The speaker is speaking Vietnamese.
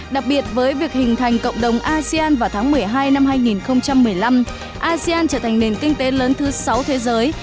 đặc biệt với việc hình thành cộng đồng asean vào tháng một mươi hai năm hai nghìn một mươi năm asean trở thành nền kinh tế lớn thứ sáu thế giới